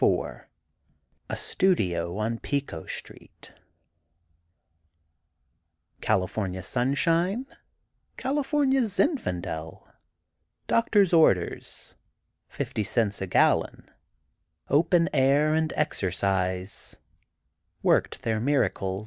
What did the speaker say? IV A STUDIO ON PICO STREET California sunshine, California Zinfandel—doctor's orders, fifty cents a gallon—open air and exercise—worked their miracle.